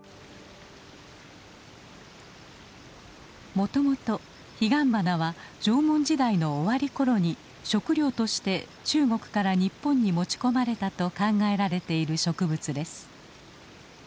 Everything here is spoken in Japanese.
もともとヒガンバナは縄文時代の終わりころに食料として中国から日本に持ち込まれたと考えられている植物です。